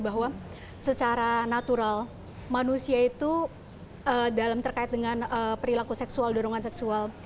bahwa secara natural manusia itu dalam terkait dengan perilaku seksual dorongan seksual